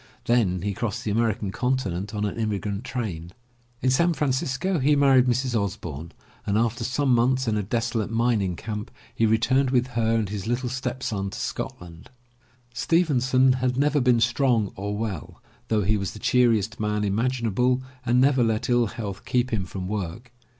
Then he crossed the American continent on an immigrant train. In San Francisco he married Mrs. Osbourne and after some months in a desolate mining camp, he returned with her and his little stepson to Scotland. Stevenson had never been strong or well, though he was the cheeriest man imaginable and never let ill health keep him from work.